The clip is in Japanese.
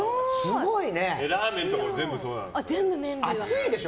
ラーメンとかも全部そうなんですか。